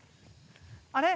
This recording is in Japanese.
あれ？